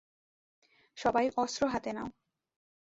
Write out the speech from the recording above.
সবাই অস্ত্র হাতে নেও।